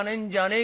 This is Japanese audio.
え？